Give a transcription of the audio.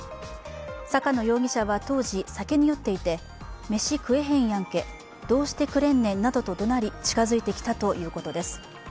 坂野容疑者は当時、酒に酔っていて飯食えへんやんけ、どうしてくれんねんなどとどなり、近づいてきたということです。